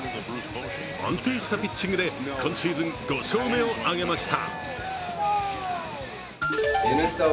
安定したピッチングで今シーズン５勝目を挙げました。